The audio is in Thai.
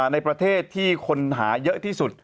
ในประเทศที่คนหาเยอะที่สุด